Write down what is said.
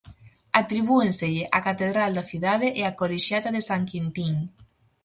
Atribúenselle a catedral da cidade e a colexiata de San Quintín.